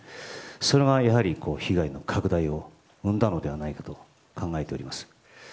それがやはり被害の拡大を生んだのではないかと考えております。